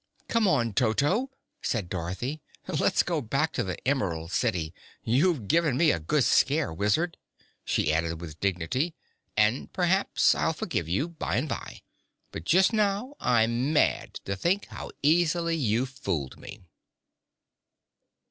"Come on, Toto," said Dorothy; "let's go back to the Emerald City. You've given me a good scare, Wizard," she added, with dignity, "and p'raps I'll forgive you, by'n'by; but just now I'm mad to think how easily you fooled me."